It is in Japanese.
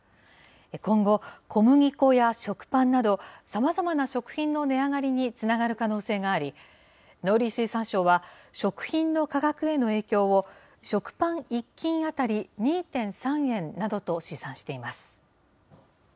今後、小麦粉や食パンなど、さまざまな食品の値上がりにつながる可能性があり、農林水産省は、食品の価格への影響を、食パン１斤当たり２．３円などと試算しています。